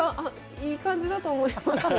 いい感じだと思います！